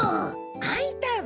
あいたわ。